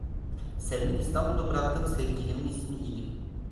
Selmin, İstanbul'da bıraktığım sevgilimin ismi idi.